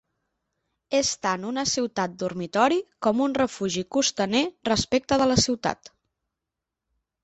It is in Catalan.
És tant una ciutat dormitori com un refugi costaner respecte de la ciutat.